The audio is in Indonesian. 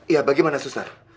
ya bagaimana suster